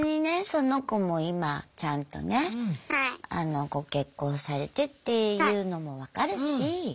その子も今ちゃんとねご結婚されてっていうのも分かるし。